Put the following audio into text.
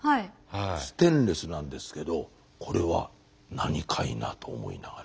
ステンレスなんですけどこれは何かいな？と思いながら。